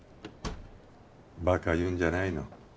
バカ言うんじゃないの。